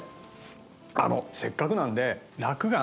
あのせっかくなんで落雁。